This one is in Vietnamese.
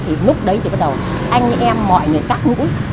thì lúc đấy thì bắt đầu anh em mọi người cắt ngũi